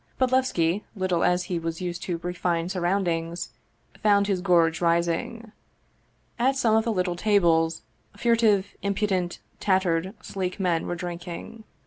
Bodlevski, little as he was used to refined surroundings, found his gorge rising. At some of the little tables fur tive, impudent, tattered, sleek men were drinking.